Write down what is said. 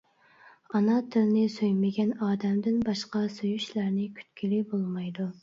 ئانا تىلنى سۆيمىگەن ئادەمدىن باشقا سۆيۈشلەرنى كۈتكىلى بولمايدۇ.